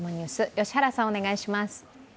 良原さん、お願いします。